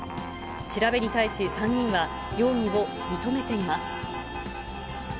調べに対し３人は容疑を認めています。